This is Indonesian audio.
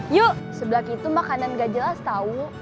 yuk sebelak itu makanan gak jelas tau